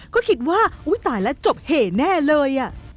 ก็คิดว่าอุ๊ยตายแล้วจบเหแน่เลย